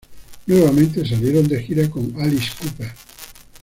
Nuevamente salieron de gira con Alice Cooper.